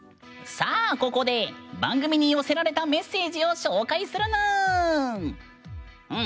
さあ、ここで番組に寄せられたメッセージを紹介するぬーん。